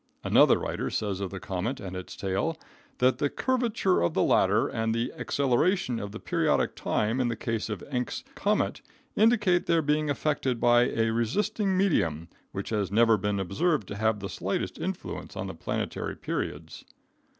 Another writer says of the comet and its tail that "the curvature of the latter and the acceleration of the periodic time in the case of Encke's comet indicate their being affected by a resisting medium which has never been observed to have the slightest influence on the planetary periods."